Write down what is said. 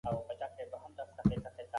لاسونه د رڼا د لمس کولو لپاره غځول کېږي.